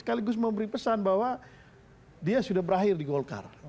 sekaligus memberi pesan bahwa dia sudah berakhir di golkar